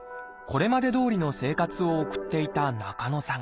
これまでどおりの生活を送っていた中野さん。